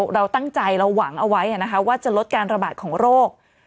เราตั้งใจเราหวังเอาไว้ว่าจะลดการระบาดของโรค